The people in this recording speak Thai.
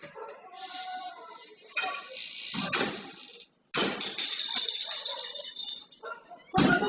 สิ่ง